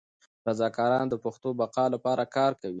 رضاکاران د پښتو د بقا لپاره کار کوي.